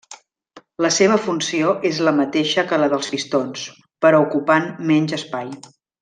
La seva funció és la mateixa que la dels pistons, però ocupant menys espai.